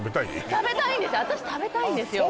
食べたい私食べたいんですよ